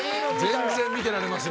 全然見てられます。